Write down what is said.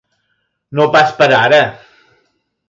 No pas per ara!